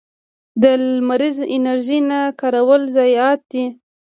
د لمریزې انرژۍ نه کارول ضایعات دي.